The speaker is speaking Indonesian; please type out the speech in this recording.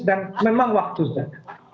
dan memang waktu sudah